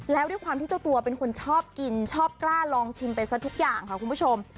แล้วด้วยความที่เจ้าตัวเป็นคนชอบกินชอบกล้าลองชิมไปซะทุกอย่างค่ะคุณผู้ชม